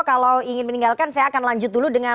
kalau ingin meninggalkan saya akan lanjut dulu dengan